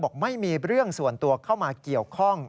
บอกไม่มีเรื่องส่วนตัวเข้ามาเกี่ยวข้อง